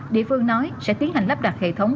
địa phương nói sẽ tiến hành lắp đặt hệ thống